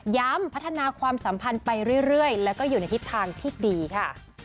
พัฒนาความสัมพันธ์ไปเรื่อยแล้วก็อยู่ในทิศทางที่ดีค่ะ